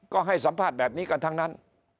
ก็ให้สัมภาษณ์แบบนี้กันทั้งนั้น